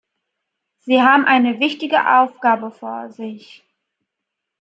Sie haben eine wichtige Aufgabe vor sich.